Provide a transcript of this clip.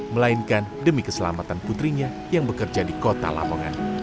melainkan demi keselamatan putrinya yang bekerja di kota lamongan